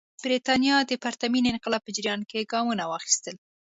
برېټانیا د پرتمین انقلاب په جریان کې ګامونه واخیستل.